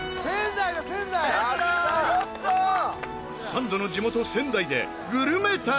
サンドの地元仙台でグルメ旅！